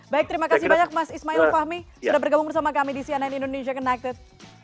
baik terima kasih banyak mas ismail fahmi sudah bergabung bersama kami di cnn indonesia connected